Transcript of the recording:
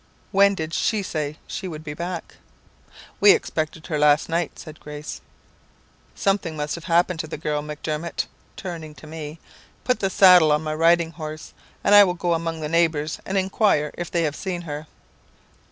"'When did she say she would be back?' "'We expected her last night,' said Grace. "'Something must have happened to the girl, Macdermot,' turning to me. 'Put the saddle on my riding horse. I will go among the neighbours, and inquire if they have seen her.'